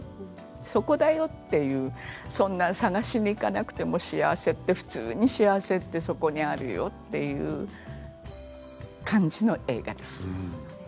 そこだよとそんな探しに行かなくても幸せは、普通に幸せはそこにあるよっていう感じの映画です。